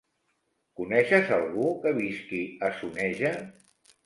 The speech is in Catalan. Coneixes algú que visqui a Soneja?